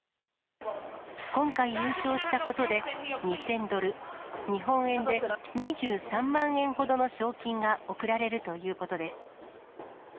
今回優勝したことで、２０００ドル、日本円で２３万円ほどの賞金が贈られるということです。